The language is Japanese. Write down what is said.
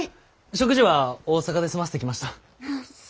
食事は大阪で済ませてきました。